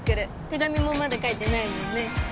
手紙もまだ書いてないもんね